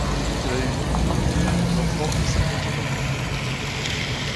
Il a eu deux enfants et cinq petits-enfants.